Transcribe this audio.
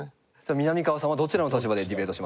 みなみかわさんはどちらの立場でディベートしますか？